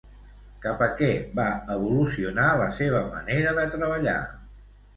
Cap a què va evolucionar la seva manera de treballar?